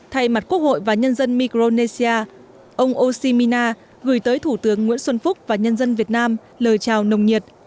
thay mặt quốc hội và nhân dân micronesia ông oshimina gửi tới thủ tướng nguyễn xuân phúc và nhân dân việt nam lời chào nồng nhiệt